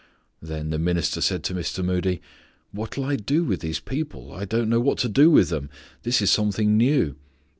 '" Then the minister said to Mr. Moody, "What'll I do with these people? I don't know what to do with them; this is something new."